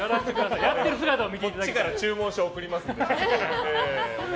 こっちから注文書を送りますから。